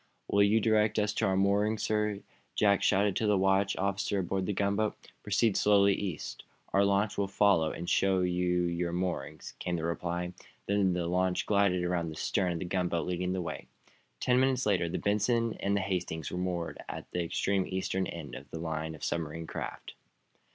"Will you direct us to our moorings, sir?" Jack shouted to the watch officer aboard the gunboat. "Proceed slowly east. Our launch will follow and show you your moorings," came the reply. Then the launch glided around the stern of the gunboat, leading the way. Ten minutes later the "Benson" and the "Hastings" were moored, at the extreme eastern end of the line of submarine craft.